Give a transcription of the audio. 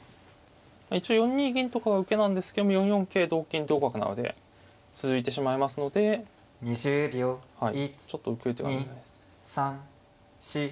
一応４二銀とかは受けなんですけども４四桂同金同角成で続いてしまいますのでちょっと受ける手が見えないです。